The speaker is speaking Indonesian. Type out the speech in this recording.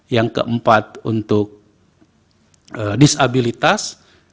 yang keempat untuk disabilitas